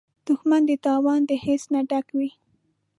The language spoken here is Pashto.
دښمن د تاوان د حس نه ډک وي